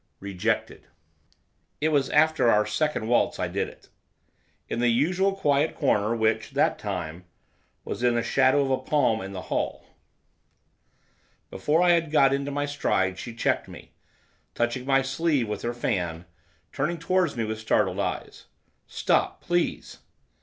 REJECTED It was after our second waltz I did it. In the usual quiet corner, which, that time, was in the shadow of a palm in the hall. Before I had got into my stride she checked me, touching my sleeve with her fan, turning towards me with startled eyes. 'Stop, please!